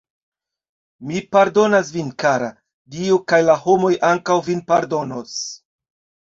Mi pardonas vin, kara; Dio kaj la homoj ankaŭ vin pardonos.